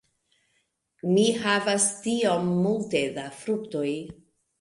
Mi havas tiom multe da fruktoj.